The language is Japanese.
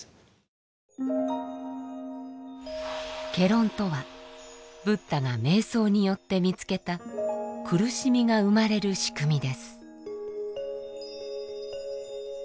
戯論とはブッダが瞑想によって見つけた苦しみが生まれる仕組みです。